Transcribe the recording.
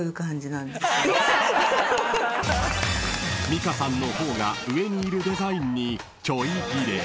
［美香さんの方が上にいるデザインにちょいギレ］